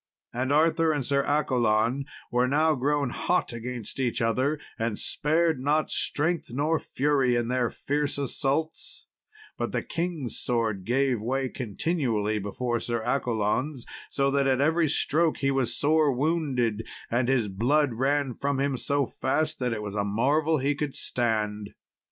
And Arthur and Sir Accolon were now grown hot against each other, and spared not strength nor fury in their fierce assaults; but the king's sword gave way continually before Sir Accolon's, so that at every stroke he was sore wounded, and his blood ran from him so fast that it was a marvel he could stand.